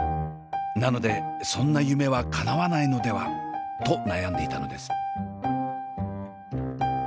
なのでそんな夢はかなわないのではと悩んでいたのです。